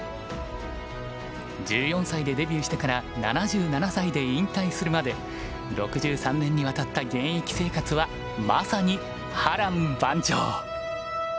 １４歳でデビューしてから７７歳で引退するまで６３年にわたった現役生活はまさに波乱万丈。